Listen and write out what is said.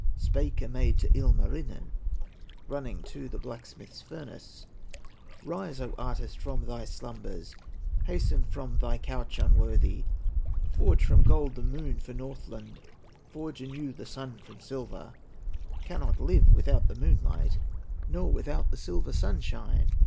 Spake a maid to Ilmarinen, Running to the blacksmith's furnace: "Rise, O artist, from thy slumbers, Hasten from thy couch unworthy; Forge from gold the Moon for Northland, Forge anew the Sun from silver; Cannot live without the moonlight, Nor without the silver sunshine!"